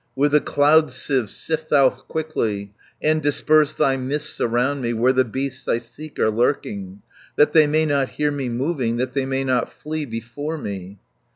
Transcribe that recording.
With the cloud sieve sift thou quickly, And disperse thy mists around me, Where the beasts I seek are lurking, 140 That they may not hear me moving, That they may not flee before me."